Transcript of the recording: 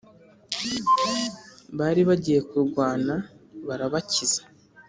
Bari bagiye kurwana Barabakiza